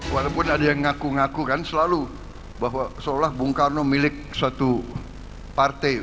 walaupun ada yang ngaku ngaku kan selalu bahwa seolah bung karno milik suatu partai